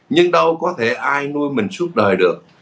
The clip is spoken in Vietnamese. nhưng đâu có thể ai nuôi mình suốt đời được